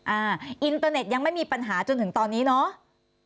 อ่าอินเตอร์เน็ตยังไม่มีปัญหาจนถึงตอนนี้เนาะ